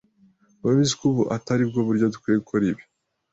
Urabizi ko ubu atari bwo buryo dukwiye gukora ibi.